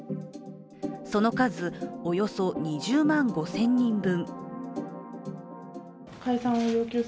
その数、およそ２０万５０００人分。